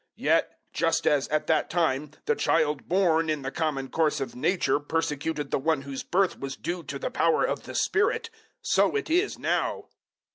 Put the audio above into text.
004:029 Yet just as, at that time, the child born in the common course of nature persecuted the one whose birth was due to the power of the Spirit, so it is now.